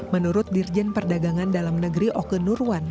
menurut dirjen perdagangan dalam negeri oke nurwan